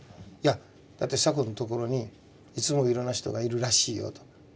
「だってサコのところにいつもいろんな人がいるらしいよ」と。